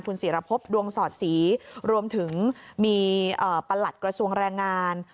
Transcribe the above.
ศิรพบดวงสอดศรีรวมถึงมีประหลัดกระทรวงแรงงาน